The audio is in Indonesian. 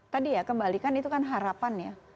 tadi ya kembalikan itu kan harapan ya